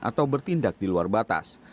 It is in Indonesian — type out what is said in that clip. atau bertindak di luar batas